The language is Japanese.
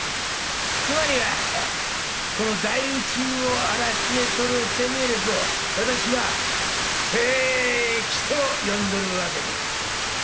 つまりはこの大宇宙をあらしめとる生命力を私は聖気と呼んどるわけで。